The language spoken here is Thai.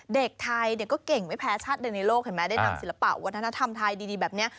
เด็กไทยเด็กก็เก่งไม่แพ้ชาติใดในโลกเห็นไหมได้นำศิลปะวัฒนธรรมไทยดีแบบนี้